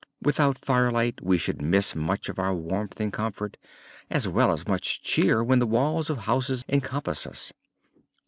Without Firelight we should miss much of our warmth and comfort, as well as much cheer when the walls of houses encompass us.